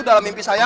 dalam mimpi saya